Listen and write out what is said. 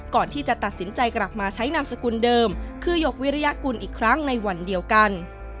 ก่อนที่จะตัดสินใจกลับมาใช้นามสกุลเดิมคือหยกวิริยกุลอีกครั้งในวันเดียวกัน